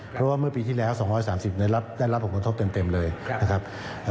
เพราะว่าเมื่อปีที่แล้ว๒๓๐ได้รับผลกระทบเต็มเลยนะครับ